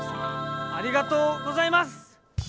ありがとうございます！